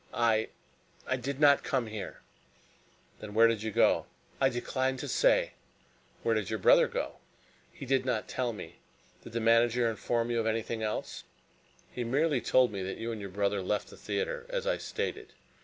"I I did not come here." "Then where did you go?" "I decline to say." "Where did your brother go?" "He did not tell me. Did the manager inform you of anything else?" "He merely told me that you and your brother left the theatre as I stated.